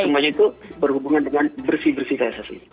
dan semuanya itu berhubungan dengan bersih bersih pssi